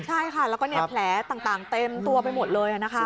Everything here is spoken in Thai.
ใช่ค่ะแล้วก็แผลต่างเต็มตัวไปหมดเลยนะคะ